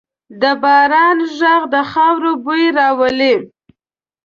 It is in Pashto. د باران ږغ د خاورو بوی راولي.